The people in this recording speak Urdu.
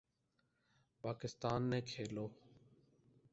پاکستان نے کھیلو